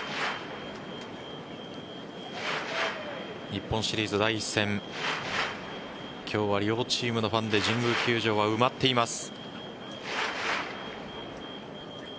日本シリーズ第１戦今日は両チームのファンで神宮球場は埋まっています。